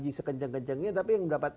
lima g sekenceng kencengnya tapi yang dapat